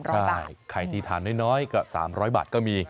ใช่ใครที่ทานน้อยก็๓๐๐บาทก็มี